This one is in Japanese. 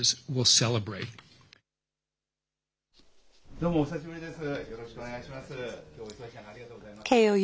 どうも、お久しぶりです。